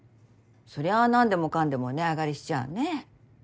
そりゃあ何でもかんでも値上がりしちゃあねぇ。